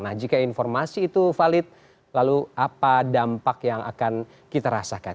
nah jika informasi itu valid lalu apa dampak yang akan kita rasakan